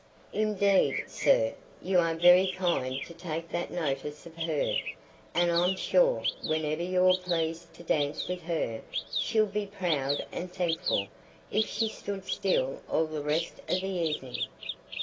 "Indeed, sir, you are very kind to take that notice of her. And I'm sure, whenever you're pleased to dance with her, she'll be proud and thankful, if she stood still all the rest o' th' evening."